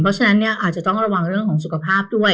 เพราะฉะนั้นเนี่ยอาจจะต้องระวังเรื่องของสุขภาพด้วย